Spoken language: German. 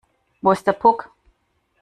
Wo ist der Puck?